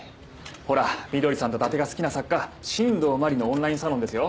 ほらみどりさんと伊達が好きな作家新道真理のオンラインサロンですよ。